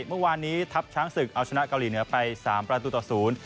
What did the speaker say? เมื่อวานนี้ทัพช้างศึกเอาชนะเกาหลีเหนือไปสามประตูต่อศูนย์